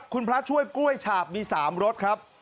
คุณพระช่วยกล้วยฉาบมี๓รสครับ